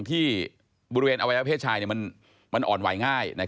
ที่บริเวณอวัยวะเพศชายมันอ่อนไหวง่าย